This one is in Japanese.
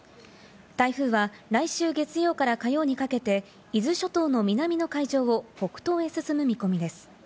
台風は来週月曜から火曜にかけて伊豆諸島の南の海上を北東へ進む見込みです。